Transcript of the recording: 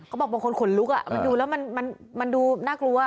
เขาบอกบางคนขนลุกอ่ะมันดูแล้วมันดูน่ากลัว